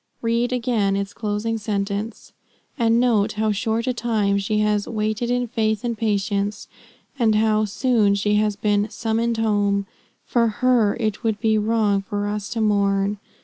Read again its closing sentence, and note how short a time she has "waited in faith and patience;" how soon she has been "summoned home." For her, it would be wrong for us to mourn.